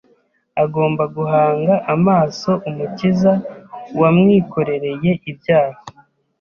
Agomba guhanga amaso Umukiza wamwikorereye ibyaha.